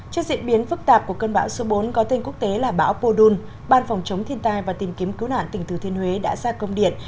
trước diễn biến phức tạp của cơn bão số bốn có tên quốc tế là bão podun ban phòng chống thiên tai và tìm kiếm cứu nạn tỉnh thừa thiên huế đã ra công điện